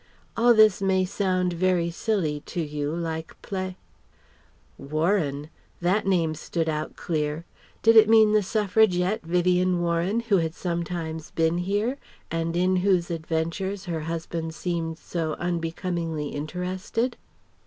All this may sound very silly to you, like pla "Warren!" That name stood out clear. Did it mean the suffragette, Vivien Warren, who had sometimes been here, and in whose adventures her husband seemed so unbecomingly interested?